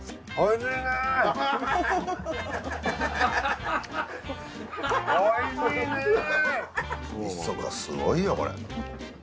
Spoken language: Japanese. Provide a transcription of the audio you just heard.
味がすごいよこれ。